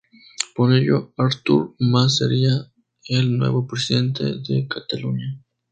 Por ello, Artur Mas sería el nuevo presidente de Cataluña.